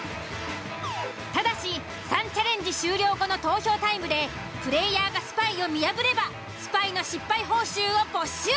ただし３チャレンジ終了後の投票タイムでプレイヤーがスパイを見破ればスパイの失敗報酬を没収。